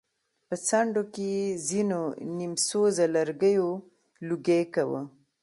په څنډو کې يې ځېنو نيم سوزه لرګيو لوګی کوه.